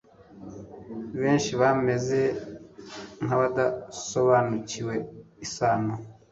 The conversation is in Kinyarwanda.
Benshi bameze nkabadasobanukiwe isano